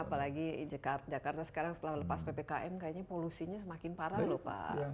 apalagi jakarta sekarang setelah lepas ppkm kayaknya polusinya semakin parah loh pak